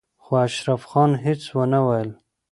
خو اشرف خان هېڅ ونه ويل.